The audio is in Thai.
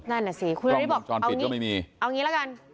นั่นสิคุณฤทธิ์บอกเอางี้เอางี้แล้วกัน